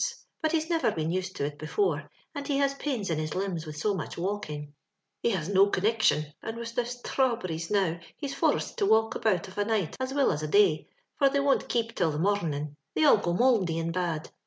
^; but he's niver been used to it before ; anil be has puns in Ms limbs with so much i^olking^ He haa do coojuxion^ and with the fithrawhirrie^ now be^9 fomised to walk about of a night as will as a day, for they wont keep till the morrunniug ; they aO go tnouldy and bad.